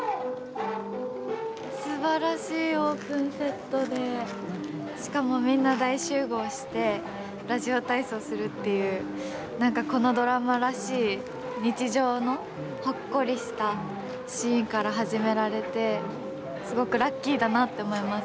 すばらしいオープンセットでしかもみんな大集合してラジオ体操するっていう何かこのドラマらしい日常のほっこりしたシーンから始められてすごくラッキーだなって思います。